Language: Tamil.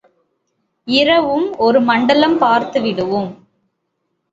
இரவும் ஒரு மண்டலம் பார்த்து விடுவோம்.